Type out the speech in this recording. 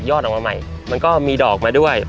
ออกมาใหม่มันก็มีดอกมาด้วย